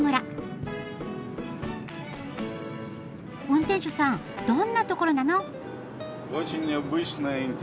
運転手さんどんなところなの？